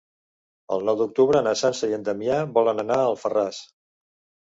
El nou d'octubre na Sança i en Damià volen anar a Alfarràs.